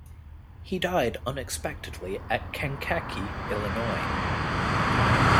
He died unexpectedly at Kankakee, Illinois.